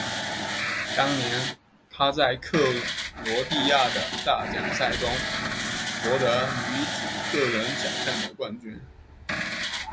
当年她在克罗地亚的大奖赛中夺得女子个人小项的冠军。